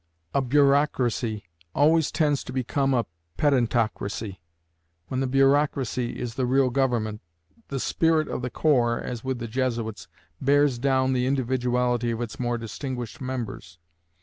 A bureaucracy always tends to become a pedantocracy. When the bureaucracy is the real government, the spirit of the corps (as with the Jesuits) bears down the individuality of its more distinguished members.